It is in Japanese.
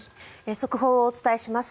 速報をお伝えします。